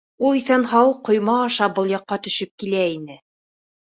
Ул иҫән-һау, ҡойма аша был яҡҡа төшөп килә ине.